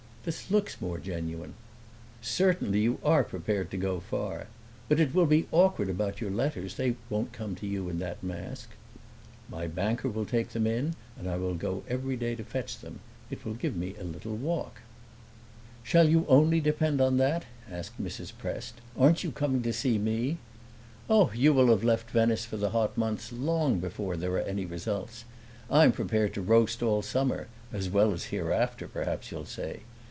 "This looks more genuine." "Certainly, you are prepared to go far! But it will be awkward about your letters; they won't come to you in that mask." "My banker will take them in, and I will go every day to fetch them. It will give me a little walk." "Shall you only depend upon that?" asked Mrs. Prest. "Aren't you coming to see me?" "Oh, you will have left Venice, for the hot months, long before there are any results. I am prepared to roast all summer as well as hereafter, perhaps you'll say!